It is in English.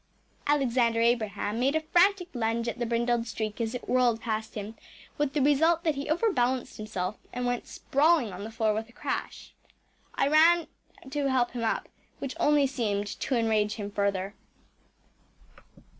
‚ÄĚ Alexander Abraham made a frantic lunge at the brindled streak as it whirled past him, with the result that he overbalanced himself and went sprawling on the floor with a crash. I ran to help him up, which only seemed to enrage him further.